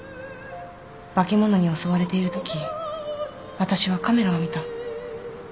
化け物に襲われているとき私はカメラを見た。